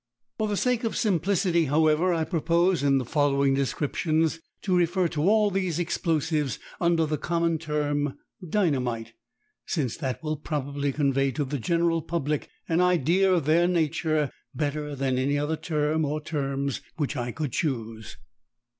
For the sake of simplicity, however, I propose in the following descriptions to refer to all these explosives under the common term "dynamite," since that will probably convey to the general public an idea of their nature better than any other term or terms which I could choose.